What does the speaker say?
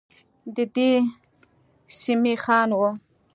ددې سمي خان وه.